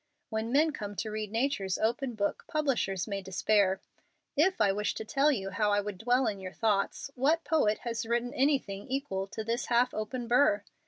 When men come to read Nature's open book, publishers may despair. If I wished to tell you how I would dwell in your thoughts, what poet has written anything equal to this half open burr?